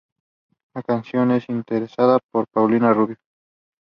Sushi burritos have seen widespread popularity in the United States since their creation.